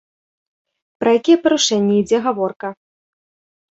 Пра якія парушэнні ідзе гаворка?